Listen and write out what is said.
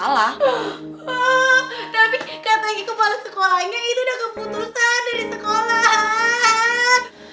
tapi katanya kepala sekolahnya itu udah keputusan dari sekolahan